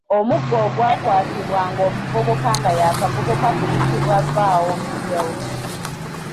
Omuggo ogwakwasibwanga omuvubuka nga y’akavubuka guyitibwa Vvawompitewo.